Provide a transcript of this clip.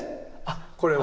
これはね。